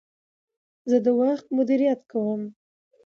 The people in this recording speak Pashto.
زه د وخت مدیریت کوم.